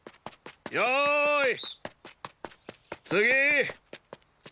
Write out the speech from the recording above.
よーい次